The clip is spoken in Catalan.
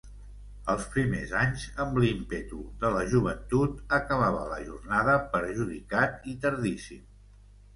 Els primers anys, amb l'ímpetu de la joventut, acabava la jornada perjudicat i tardíssim.